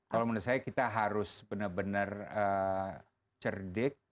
kalau menurut saya kita harus benar benar cerdik